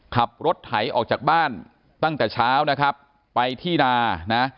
ขับรถไถออกจากบ้านตั้งแต่เช้านะครับไปที่นานะ